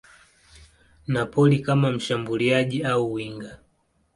Napoli kama mshambuliaji au winga.